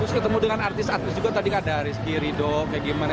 terus ketemu dengan artis artis juga tadi ada rizky ridho kayak gimana